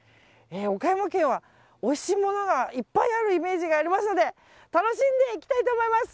岡山県はおいしいものがいっぱいあるイメージがありますので楽しんでいきたいと思います。